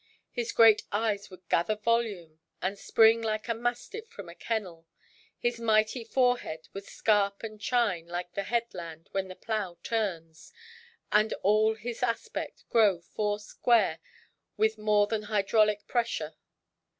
His great eyes would gather volume, and spring like a mastiff from a kennel; his mighty forehead would scarp and chine like the headland when the plough turns; and all his aspect grow four–square with more than hydraulic pressure.